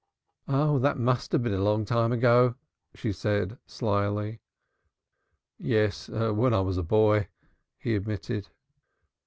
"Ah, that must have been a long time ago," she said slyly. "Yes, when I was a boy," he admitted.